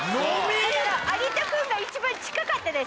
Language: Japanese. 有田君が一番近かったです